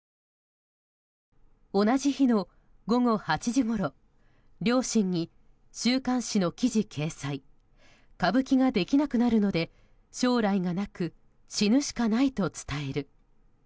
同じ日の午後８時ごろ、両親に週刊新記事掲載歌舞伎ができなくなるので将来がなく死ぬしかないと伝える。